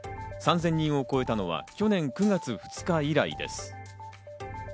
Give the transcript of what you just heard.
３０００人を超えたのは去年９月２日以来です。